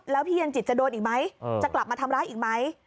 แล้วพี่เย็นจิตจะโดนอีกไหมจะกลับมาทำร้ายอีกไหม